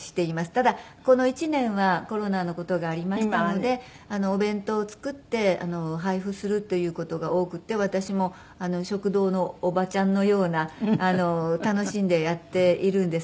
ただこの１年はコロナの事がありましたのでお弁当を作って配布するという事が多くて私も食堂のおばちゃんのような楽しんでやっているんですけれどもね。